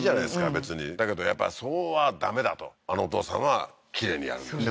別にだけどやっぱそうはダメだとあのお父さんはきれいにやるんですよね